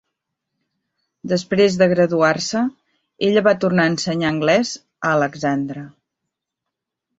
Després de graduar-se, ella va tornar a ensenyar anglès a Alexandra.